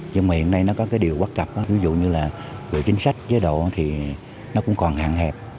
nhưng mà hiện nay nó có cái điều bất cập ví dụ như là về chính sách chế độ thì nó cũng còn hạn hẹp